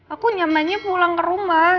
aku nyamannya pulang ke rumah